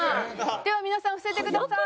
では皆さん伏せてください。